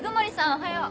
おはよう。